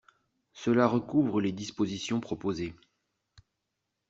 Cela recouvre les dispositions proposées.